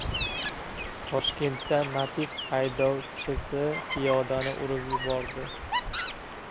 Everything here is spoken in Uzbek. Toshkentda "Matiz" haydovchisi piyodani urib yubordi